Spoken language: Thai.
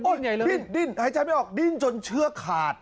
ดิ้นหายใจไม่ออกดิ้นจนเชือกขาด